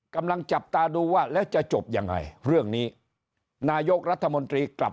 กำลังจับตาดูว่าแล้วจะจบยังไงเรื่องนี้นายกรัฐมนตรีกลับ